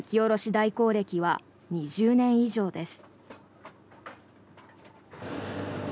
代行歴は２０年以上です。